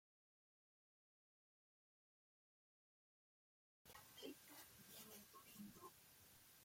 Basa su economía en la pesca y en el turismo.